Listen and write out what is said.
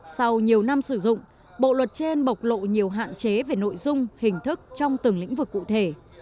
sau nhiều năm sử dụng bộ luật trên bộc lộ nhiều hạn chế về nội dung hình thức trong từng lĩnh vực cụ thể